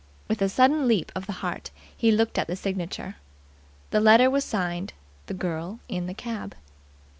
With a sudden leap of the heart he looked at the signature. The letter was signed "The Girl in the Cab."